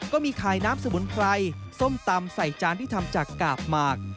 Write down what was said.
ก็มีขายน้ำสมุนไพรส้มตำใส่จานที่ทำจากกาบหมาก